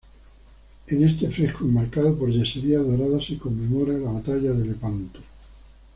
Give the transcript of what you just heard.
En este fresco enmarcado por yeserías doradas se conmemora la batalla de Lepanto.